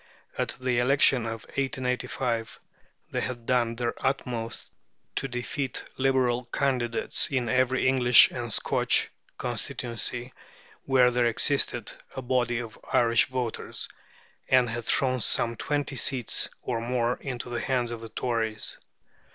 At the Election of 1885 they had done their utmost to defeat Liberal candidates in every English and Scotch constituency where there existed a body of Irish voters, and had thrown some twenty seats or more into the hands of the Tories.